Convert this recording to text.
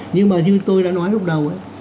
nhưng mà như tôi đã nói lúc đầu ấy